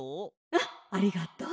「あっありがとう。